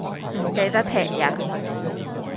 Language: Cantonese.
唔記得踢人